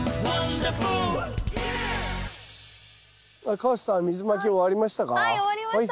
川瀬さん水まき終わりましたか？